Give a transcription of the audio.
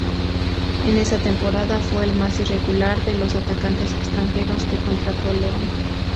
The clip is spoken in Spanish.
En esa temporada, fue el más irregular de los atacantes extranjeros que contrató León.